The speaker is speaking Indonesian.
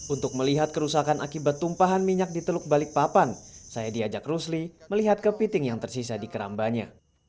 untuk melihat kerusakan akibat tumpahan minyak di teluk balikpapan saya diajak rusli melihat kepiting yang tersisa di kerambanya